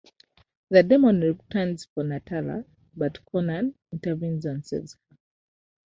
The demon returns for Natala, but Conan intervenes and saves her.